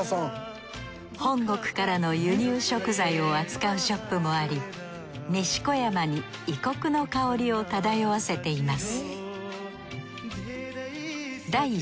本国からの輸入食材を扱うショップもあり西小山に異国の香りを漂わせています